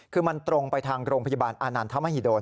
คือมันตรงไปทางโรงพยาบาลอานันทมหิดล